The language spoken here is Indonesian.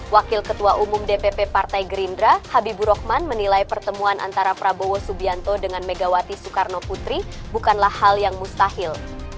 wakil ketua umum dpp partai gerindra habibur rahman menilai pertemuan antara prabowo subianto dengan megawati soekarno putri bukanlah hal yang mustahil